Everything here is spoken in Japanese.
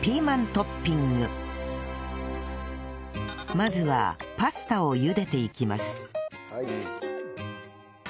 まずはパスタを茹でていきます